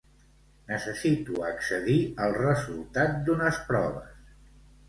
Necessito accedir al resultat d'unes proves.